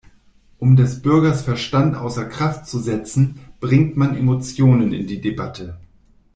Um des Bürgers Verstand außer Kraft zu setzen, bringt man Emotionen in die Debatte.